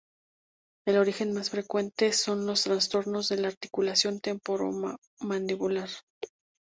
El origen más frecuente son los trastornos de la articulación temporomandibular.